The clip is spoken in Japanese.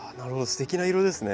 すてきな色ですね。